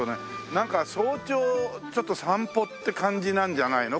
なんか早朝ちょっと散歩って感じなんじゃないの？